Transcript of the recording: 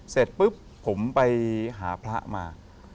เสร็จปุ๊บผมไปหาพระมา